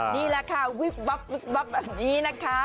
นี่แหละค่ะวิบวับวิบวับแบบนี้นะคะ